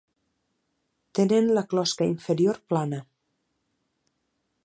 Tenen la closca inferior plana.